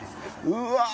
うわ！